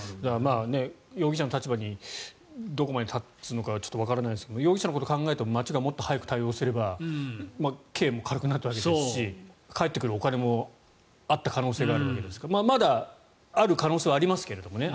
容疑者の立場にどこまで立つのかちょっとわからないですが容疑者のことを考えると町がもっと早く対応すれば刑も軽くなったわけですし返ってくるお金もあった可能性があるわけですからまだある可能性はありますけどね。